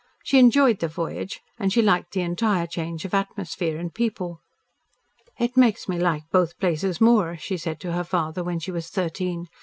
She enjoyed the voyage and she liked the entire change of atmosphere and people. "It makes me like both places more," she said to her father when she was thirteen.